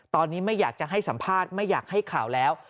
ตอนนี้ไม่อยากจะให้สัมภาษณ์ไม่อยากให้ข่าวแล้ว